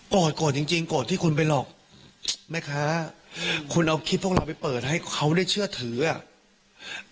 โกรธโกรธจริงจริงโกรธที่คุณไปหลอกแม่ค้าคุณเอาคลิปพวกเราไปเปิดให้เขาได้เชื่อถืออ่ะ